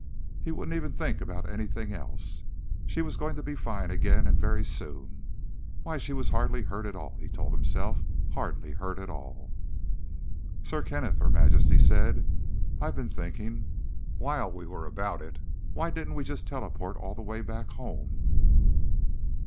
He wouldn't even think about anything else. She was going to be fine again, and very soon. Why, she was hardly hurt at all, he told himself, hardly hurt at all. "Sir Kenneth," Her Majesty said. "I've been thinking: while we were about it, why didn't we just teleport all the way back home?"